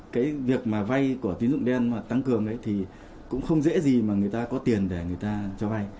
cái việc mà vay của tín dụng đen mà tăng cường ấy thì cũng không dễ gì mà người ta có tiền để người ta cho vay